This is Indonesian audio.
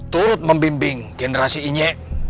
turut membimbing generasi ini